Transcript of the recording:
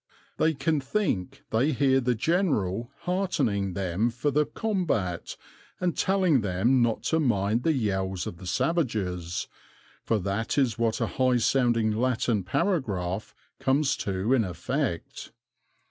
They can think they hear the general heartening them for the combat and telling them not to mind the yells of the savages for that is what a high sounding Latin paragraph comes to in effect.